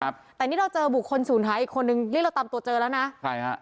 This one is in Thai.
ครับแต่นี่เราเจอบุคคลศูนย์หายอีกคนนึงนี่เราตามตัวเจอแล้วนะใครฮะ